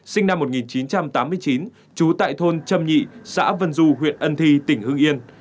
sinh năm một nghìn chín trăm tám mươi chín trú tại thôn trâm nhị xã vân du huyện ân thi tỉnh hương yên